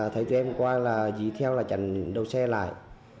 thấy tụi em qua là dì theo là chặn đầu xe lại